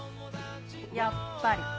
やっぱり。